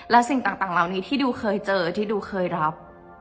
และสิ่งต่างเหล่านี้ที่ดูเคยเจอที่ดูเคยรับ